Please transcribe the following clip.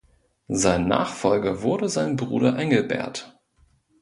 Sein Nachfolger wurde sein Bruder Engelbert.